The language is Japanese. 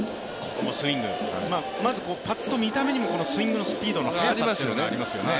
まず、パッと見た目にもスイングスピードの速さというのがありますよね。